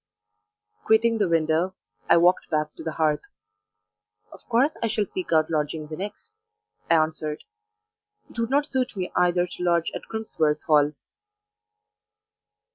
Quitting the window, I walked back to the hearth. "Of course I shall seek out lodgings in X ," I answered. "It would not suit me either to lodge at Crimsworth Hall."